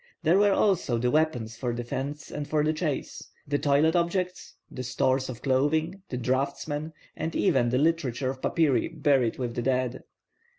There were also the weapons for defence and for the chase, the toilet objects, the stores of clothing, the draughtsmen, and even the literature of papyri buried with the dead.